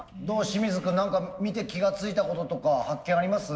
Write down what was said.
清水君何か見て気が付いたこととか発見あります？